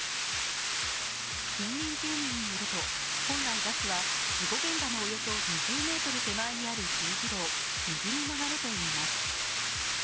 近隣住民によると本来、バスは事故現場のおよそ２０ｍ手前にある十字路を右に曲がるといいます。